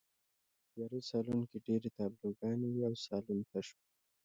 په تیاره سالون کې ډېرې تابلوګانې وې او سالون تش و